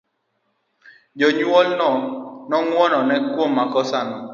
Jonyuol no ngwonona kuom makosana.